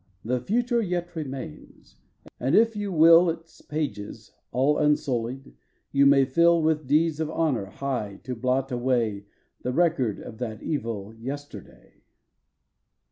The future yet remains, and if you will Its pages, all unsullied, you may fill With deeds of honor high to blot away The record of that evil yesterday.